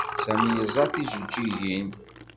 Sami yeẓẓa tijeǧǧigin.